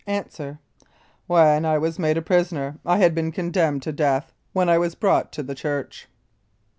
A. When I was made prisoner I had been condemned to death, when I was brought to the church.